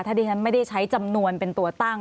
ถ้าที่ฉันไม่ได้ใช้จำนวนเป็นตัวตั้ง